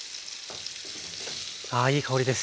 ああいい香りです。